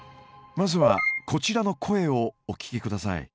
まずはこちらの声をお聞きください。